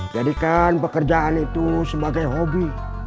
jadikan pekerjaan itu sebagai hobi